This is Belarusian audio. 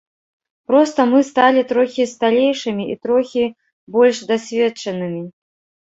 Проста мы сталі трохі сталейшымі і трохі больш дасведчанымі.